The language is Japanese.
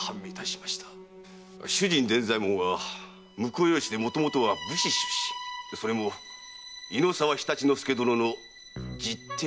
主人・伝左衛門は婿養子でもともとは武士出身それも猪沢常陸介殿の実弟にございます。